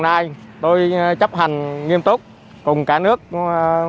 vùng bán người dân chấp hành nghiêm các quy định năm k của bộ y tế